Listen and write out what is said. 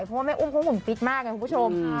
เพราะว่าไม่อุ้มคงขนปิดมากครับคุณผู้ชม